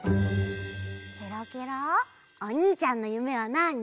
ケロケロおにいちゃんのゆめはなあに？